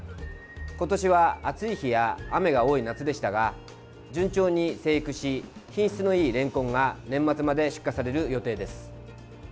今年は暑い日や雨が多い夏でしたが、順調に生育し品質のいいれんこんが年末まで出荷される予定です。